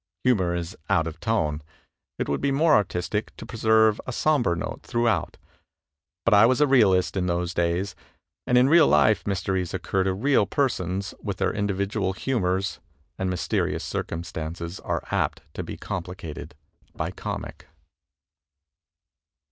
Humor is out of tone; it would be more artistic to preserve a somber note throughout. But I was a realist in those days, and in real life mysteries occur to real persons with their individual humors, and mysterious circumstances are apt to be complicated by comic."